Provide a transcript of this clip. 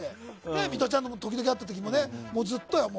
ミトちゃんに時々、会った時もずっとよ。